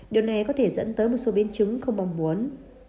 điều này có thể dẫn tới một số biến chứng không mong muốn